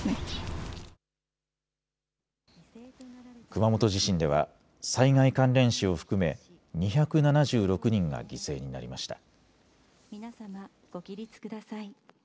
熊本地震では災害関連死を含め２７６人が犠牲になりました。